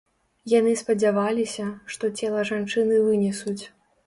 Яны спадзяваліся, што цела жанчыны вынесуць.